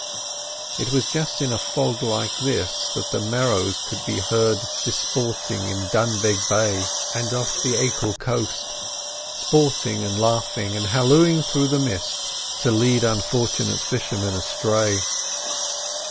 It was just in a fog like this that the Merrows could be heard disporting in Dunbeg bay, and off the Achill coast. Sporting and laughing, and hallooing through the mist, to lead unfortunate fishermen astray.